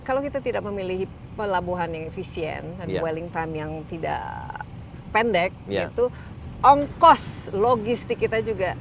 kalau kita tidak memilih pelabuhan yang efisien dan welling time yang tidak pendek itu ongkos logistik kita juga